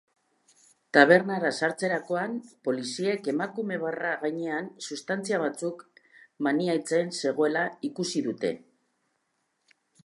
Tabernara sartzerakoan poliziek emakumea barra gainean substantzia batzuk maneiatzen zegoela ikusi dute.